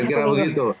ya kira kira begitu